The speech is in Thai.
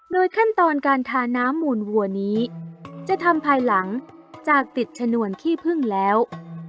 ขั้นตอนการทาน้ำมูลวัวนี้จะทำภายหลังจากติดชนวนขี้พึ่งแล้ว